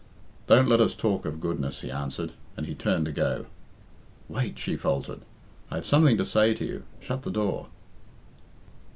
"Don't let us talk of goodness," he answered; and he turned to go. "Wait," she faltered. "I have something to say to you. Shut the door."